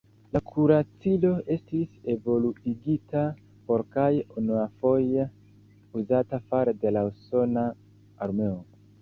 La kuracilo estis evoluigita por kaj unuafoje uzata fare de la usona armeo.